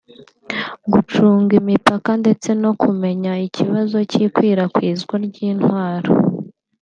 gucunga imipaka ndetse no kumenya ikibazo cy’ikwirakwizwa ry’intwaro